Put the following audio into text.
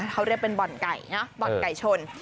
เขาเรียกเป็นบ่อนไก่นะบ่อนไก่ชน